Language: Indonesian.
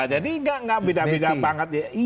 jadi nggak beda beda banget